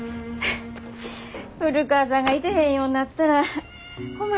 古川さんがいてへんようなったら困るなぁ。